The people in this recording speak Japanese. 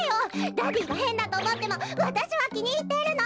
ダディがへんだとおもってもわたしはきにいってるの！